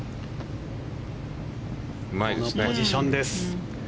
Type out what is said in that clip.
このポジションです。